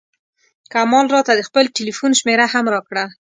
کمال راته د خپل ټیلفون شمېره هم راکړه.